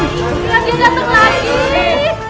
lihat dia datang lagi